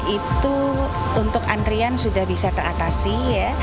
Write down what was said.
itu untuk antrian sudah bisa teratasi ya